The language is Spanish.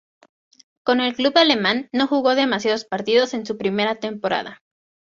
Con el club alemán no jugó demasiados partidos en su primera temporada.